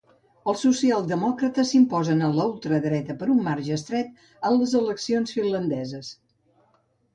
Els socialdemòcrates s'imposen a la ultradreta per un marge estret en les eleccions finlandeses.